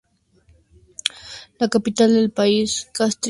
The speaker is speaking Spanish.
La capital del país, Castries, se localiza en este distrito.